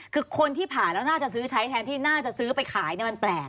คือคนที่ผ่าแล้วน่าจะซื้อใช้แทนที่น่าจะซื้อไปขายมันแปลก